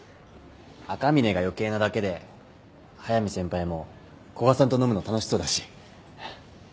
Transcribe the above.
赤嶺が余計なだけで速見先輩も古賀さんと飲むの楽しそうだし。